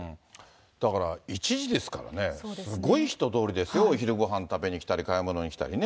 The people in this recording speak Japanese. だから、１時ですからね、すごい人通りですよ、お昼ごはん食べに来たり、買い物に来たりね。